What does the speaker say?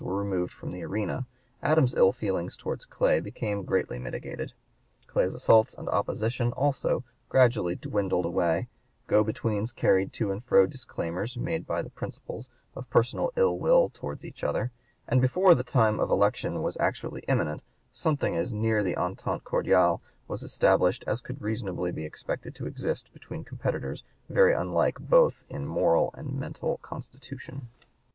154) were removed from the arena, Adams's ill feeling towards Clay became greatly mitigated. Clay's assaults and opposition also gradually dwindled away; go betweens carried to and fro disclaimers, made by the principals, of personal ill will towards each other; and before the time of election was actually imminent something as near the entente cordiale was established as could be reasonably expected to exist between competitors very unlike both in moral and mental constitution.